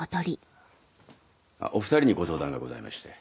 あっお２人にご相談がございまして。